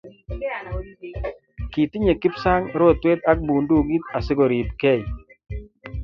Kitinyei Kipsang' rotwe ak bundukit asikuribgei